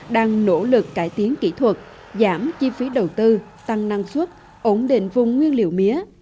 đang nỗ lực cải tiến kỹ thuật giảm chi phí đầu tư tăng năng suất ổn định vùng nguyên liệu mía